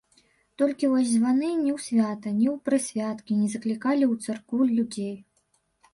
Толькі вось званы ні ў свята, ні ў прысвяткі не заклікалі ў царкву людзей.